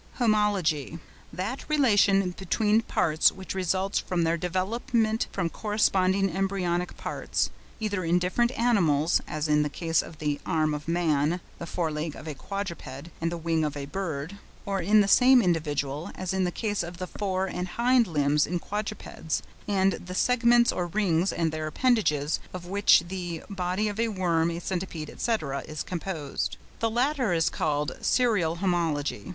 HOMOLOGY.—That relation between parts which results from their development from corresponding embryonic parts, either in different animals, as in the case of the arm of man, the fore leg of a quadruped, and the wing of a bird; or in the same individual, as in the case of the fore and hind legs in quadrupeds, and the segments or rings and their appendages of which the body of a worm, a centipede, &c., is composed. The latter is called serial homology.